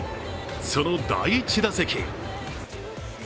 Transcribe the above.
その第１打席。